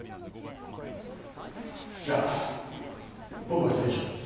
じゃあ僕は失礼します。